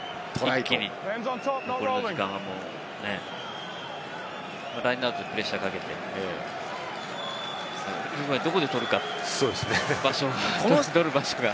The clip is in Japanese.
一気に残りの時間はもうラインアウトでプレッシャーをかけて、今どこで取るか、場所が、取る場所が。